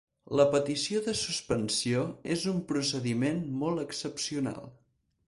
La petició de suspensió és un procediment molt excepcional.